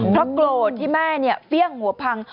พราดโกรธที่แม่เนี่ยเฟียร์งหัวพัง